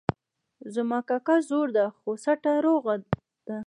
زما کاکا زوړ ده خو سټه روغ ده